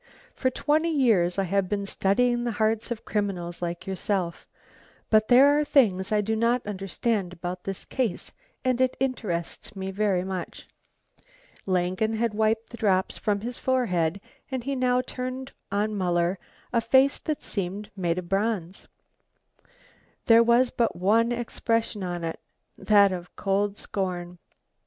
"For twenty years I have been studying the hearts of criminals like yourself. But there are things I do not understand about this case and it interests me very much." Langen had wiped the drops from his forehead and he now turned on Muller a face that seemed made of bronze. There was but one expression on it, that of cold scorn.